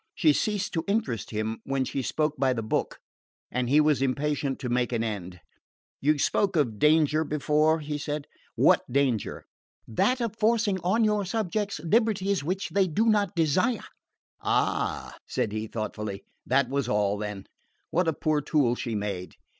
She ceased to interest him when she spoke by the book, and he was impatient to make an end. "You spoke of danger before," he said. "What danger?" "That of forcing on your subjects liberties which they do not desire!" "Ah," said he thoughtfully. That was all, then. What a poor tool she made!